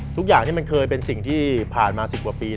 ทุกอย่างที่มันเคยเป็นสิ่งที่ผ่านมา๑๐กว่าปี